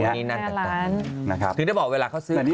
แม่ร้านนะครับถึงได้บอกเวลาเขาซื้อขาย